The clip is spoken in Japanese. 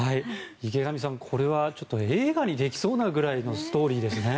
池上さん、これは映画にできそうなぐらいのストーリーですね。